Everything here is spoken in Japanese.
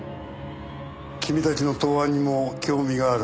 君たちの答案にも興味がある。